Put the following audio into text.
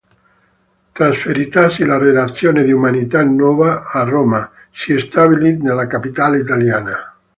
Trasferitasi la redazione di "Umanità Nova" a Roma, si stabili nella capitale italiana.